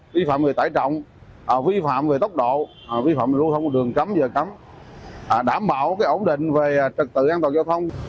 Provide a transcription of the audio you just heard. vi phạm về tải trọng vi phạm về tốc độ vi phạm về lưu thông của đường cắm giờ cắm đảm bảo ổn định về trật tự an toàn giao thông